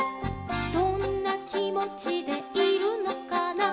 「どんなきもちでいるのかな」